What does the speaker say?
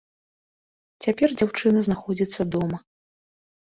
Цяпер дзяўчына знаходзіцца дома.